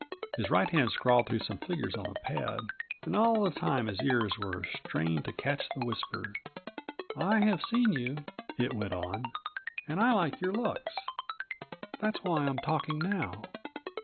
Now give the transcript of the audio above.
His right hand scrawled some figures on a pad, and all the time his ears were strained to catch the whisper. "I have seen you," it went on, "and I like your looks. That's why I'm talking now."